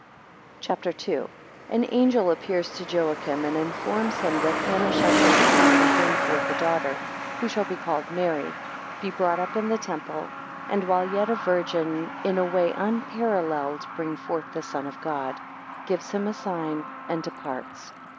CHAPTER II. 1 An angel appears to Joachim, 9 and informs him that Anna shall conceive and bring forth a daughter, who shall be called Mary, 11 be brought up in the temple, 12 and while yet a virgin, in a way unparalleled, bring forth the Son of God: 13 Gives him a sign, 14 and departs.